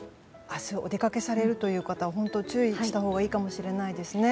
明日お出かけされるという方は注意したほうがいいかもしれませんね。